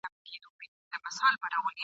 د قام زخم ته مرهم وي په نصیب کښلی قلم وي !.